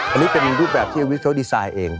อันนี้เป็นรูปแบบที่แววิทย์เขาดีไซน์เอง